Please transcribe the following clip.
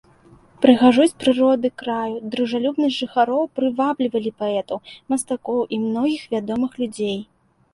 Прыгажосць прыроды краю, дружалюбнасць жыхароў прываблівалі паэтаў, мастакоў і многіх вядомых людзей.